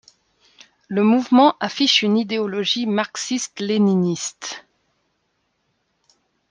Le mouvement affiche une idéologie marxiste-léniniste.